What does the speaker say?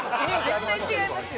絶対違いますよ。